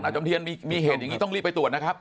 จมเทียนมีเหตุอย่างนี้ต้องรีบไปตรวจนะครับ